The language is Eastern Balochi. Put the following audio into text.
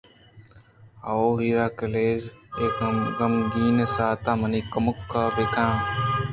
او ہیرا کلیزؔ ! اے غمیگیں ساعت ءَ منی کُمکّ ءَ بِہ کن